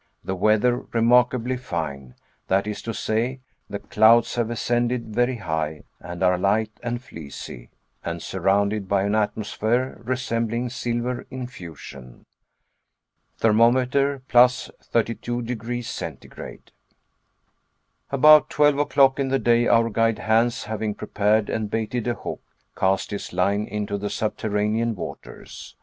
The weather remarkably fine; that is to say, the clouds have ascended very high, and are light and fleecy, and surrounded by an atmosphere resembling silver in fusion. Thermometer, +32 degrees centigrade. About twelve o'clock in the day our guide Hans having prepared and baited a hook, cast his line into the subterranean waters.